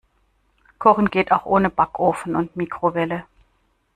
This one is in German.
Kochen geht auch ohne Backofen und Mikrowelle.